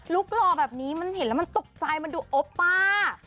หล่อแบบนี้มันเห็นแล้วมันตกใจมันดูโอป้า